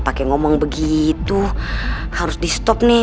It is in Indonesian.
bikin jantung gua deg degan aja dah